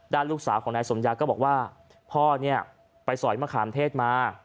ลูกสาวของนายสมยาก็บอกว่าพ่อเนี่ยไปสอยมะขามเทศมา